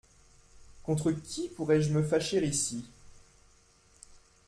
Contre qui pourrais-je me fâcher ici ?